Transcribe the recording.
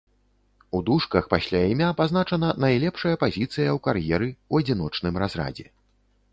У дужках пасля імя пазначана найлепшая пазіцыя ў кар'еры ў адзіночным разрадзе.